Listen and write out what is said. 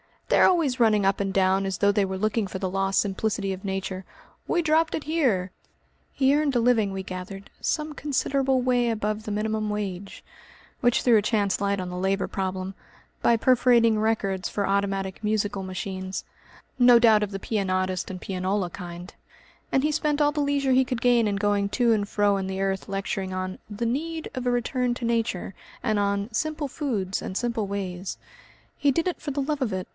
They are always running up and down as though they were looking for the lost simplicity of nature. 'We dropped it here!'" He earned a living, we gathered, "some considerable way above the minimum wage," which threw a chance light on the labour problem by perforating records for automatic musical machines no doubt of the Pianotist and Pianola kind and he spent all the leisure he could gain in going to and fro in the earth lecturing on "The Need of a Return to Nature," and on "Simple Foods and Simple Ways." He did it for the love of it.